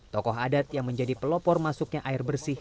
tokoh adat yang menjadi pelopor masuknya air bersih